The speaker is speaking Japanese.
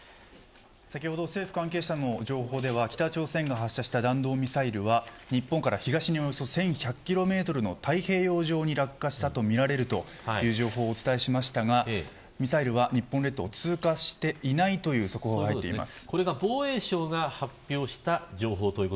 先ほど政府関係者の情報では北朝鮮が発射した弾道ミサイルは日本からおよそ東に１１００キロメートルの所に落下したという情報をお伝えしましたがミサイルは日本列島を通過していないという情報が入っています。